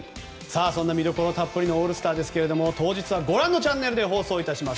そんな魅力たっぷりのオールスターですが当時はご覧のチャンネルで放送致します。